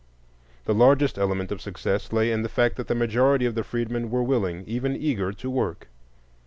The largest element of success lay in the fact that the majority of the freedmen were willing, even eager, to work.